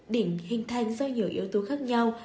đỉnh hình thành do nhiều yếu tố khác nhau